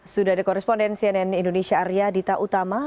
sudah ada koresponden cnn indonesia arya dita utama